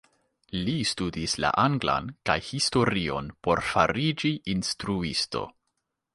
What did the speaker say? Li studis la anglan kaj historion por fariĝi instruisto.